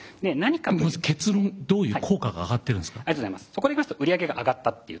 そこでいいますと売り上げが上がったという。